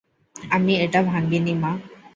আমি এটা ভাঙিনি, মা।